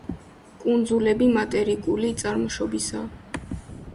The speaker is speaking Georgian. კუნძულები მატერიკული წარმოშობისაა.